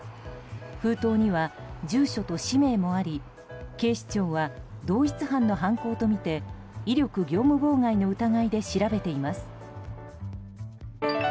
封筒には住所と氏名もあり警視庁は同一犯の犯行とみて威力業務妨害の疑いで調べています。